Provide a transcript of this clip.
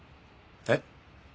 えっ？